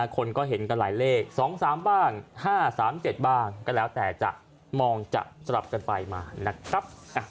คนก็เห็นกันหลายเลข๒๓บ้าง๕๓๗บ้างก็แล้วแต่จะมองจะสลับกันไปมานะครับ